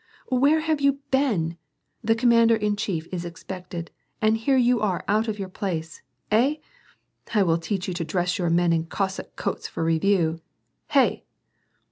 "Where have you been ? The commander in chief is expected, and here you are out of your place !— Hey ?— I will teach you to dress your men in Cossack coats for review !— Hey